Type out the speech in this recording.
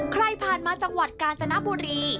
ใครผ่านมาจังหวัดกาญจนบุรี